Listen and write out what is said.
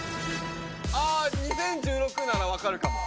ああー２０１６年ならわかるかも。